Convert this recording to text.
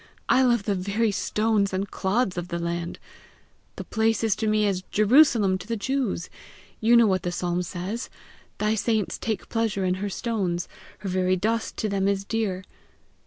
I love the very stones and clods of the land! The place is to me as Jerusalem to the Jews: you know what the psalm says: Thy saints take pleasure in her stones, Her very dust to them is dear!"